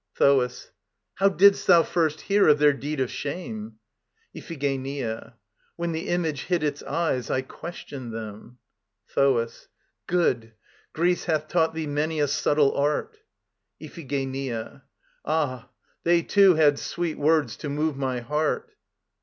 THOAS. How didst thou first hear of their deed of shame? IPHIGENIA. When the Image hid its eyes, I questioned them. THOAS. Good. Greece hath taught thee many a subtle art. IPHIGENIA. Ah, they too had sweet words to move my heart.